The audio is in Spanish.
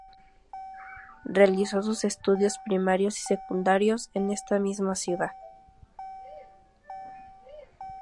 Realizó sus estudios primarios y secundarios en esta misma ciudad.